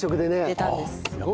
出たんです。